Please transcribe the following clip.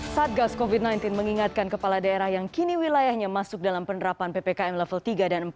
satgas covid sembilan belas mengingatkan kepala daerah yang kini wilayahnya masuk dalam penerapan ppkm level tiga dan empat